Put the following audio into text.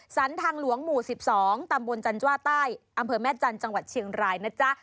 สันทางหลวงหมู่๑๒ตำบลจันทว่าใต้อำเภอแม่จันทร์จังหวัดเชียงรายนะจ๊ะ